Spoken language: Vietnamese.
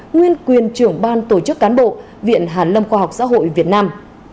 nguyên quyền trưởng ban tổ chức cán bộ viện hàn lâm khoa học xã hội việt nam